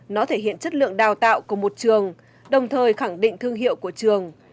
nó thể hiện chất lượng đào tạo của một trường đồng thời khẳng định thương hiệu của trường